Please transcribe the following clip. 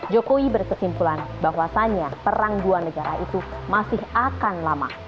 jokowi berkesimpulan bahwasannya perang dua negara itu masih akan lama